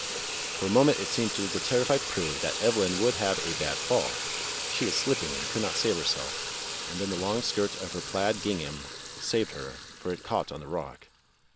For a moment it seemed to the terrified Prue that Evelyn would have a bad fall; she was slipping and could not save herself; and then the long skirt of her plaid gingham saved her, for it caught on the rock.